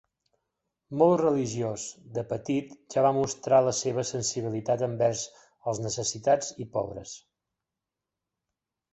Molt religiós, de petit ja va mostrar la seva sensibilitat envers els necessitats i pobres.